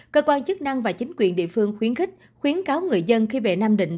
cơ quan chức năng và chính quyền địa phương khuyến khích khuyến cáo người dân khi về nam định